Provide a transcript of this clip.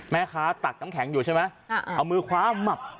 ตักน้ำแข็งอยู่ใช่ไหมเอามือคว้าหมับ